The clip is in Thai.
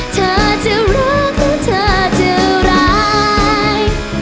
เธอจะรักเพราะเธอจะร้าย